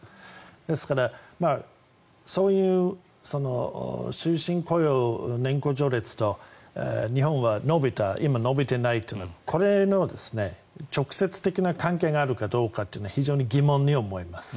ですからそういう終身雇用、年功序列と日本は今、伸びていないというこれの直接的な関係があるかどうかというのは非常に疑問に思います。